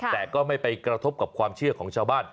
แต่ก็ไม่ไปกระทบกับความเชื่อของชาวบ้าน